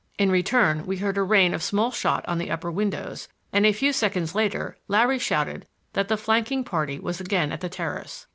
In return we heard a rain of small shot on the upper windows, and a few seconds later Larry shouted that the flanking party was again at the terrace.